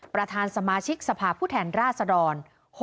ประธานสมาชิกสภาพผู้แทนราชดร